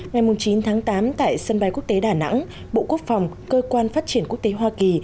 ngày chín tháng tám tại sân bay quốc tế đà nẵng bộ quốc phòng cơ quan phát triển quốc tế hoa kỳ